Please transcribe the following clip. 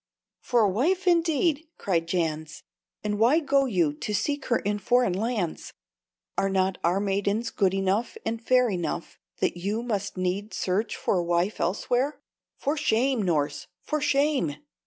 "For a wife, indeed!" cried Jans. "And why go you to seek her in foreign lands? Are not our maidens good enough and fair enough, that you must need search for a wife elsewhere? For shame, Norss! for shame!"